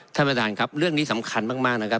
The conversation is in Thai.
ท่านประธานครับเรื่องนี้สำคัญมากนะครับ